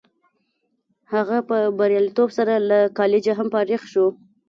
هغه په بریالیتوب سره له کالجه هم فارغ شو